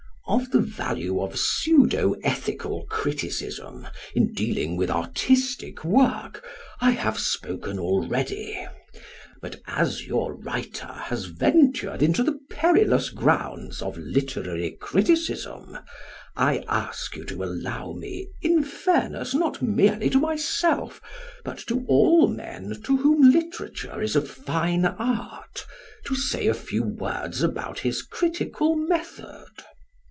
Of the value of pseudo ethical criticism; in dealing with artistic work I have spoken already. But as your writer has ventured into the perilous grounds of literary criticism I ask you to allow me, in fairness not merely to myself, but to all men to whom literature is a fine art, to say a few words about his critical method.